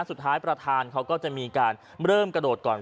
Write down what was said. สุดท้ายประธานเขาก็จะมีการเริ่มกระโดดก่อน